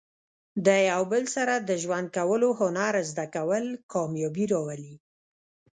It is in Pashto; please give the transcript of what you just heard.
د یو بل سره د ژوند کولو هنر زده کول، کامیابي راولي.